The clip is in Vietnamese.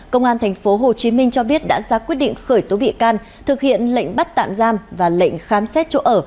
công an tp hcm cho biết đã ra quyết định khởi tố bị can thực hiện lệnh bắt tạm giam và lệnh khám xét chỗ ở